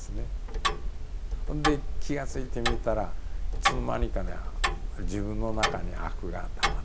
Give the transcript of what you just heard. ほんで気が付いてみたらいつの間にかね自分の中に悪がたまってきた。